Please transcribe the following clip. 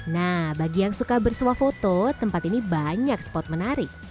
nah bagi yang suka bersuah foto tempat ini banyak spot menarik